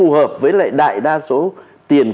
hợp với lại đại đa số tiền